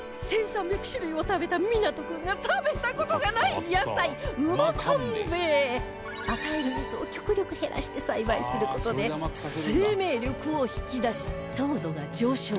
１３００種類も食べた湊君が食べた事がない野菜与える水を極力減らして栽培する事で生命力を引き出し糖度が上昇